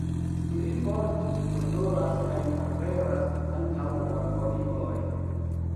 Ili forte odoras kaj aperas antaŭ la folioj.